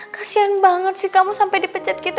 kasian banget sih kamu sampai dipecat kita